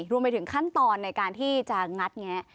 รวมไปถึงขั้นตอนในการที่จะงัดแงะ